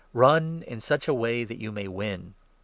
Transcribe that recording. Run in such a way that you may win.